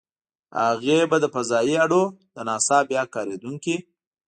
هغې به د فضايي اډو - د ناسا بیا کارېدونکې.